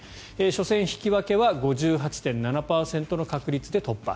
初戦引き分けは５８．７％の確率で突破。